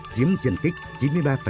chiếm diện tích chín mươi ba